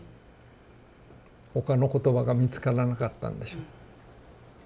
他の言葉が見つからなかったんでしょう。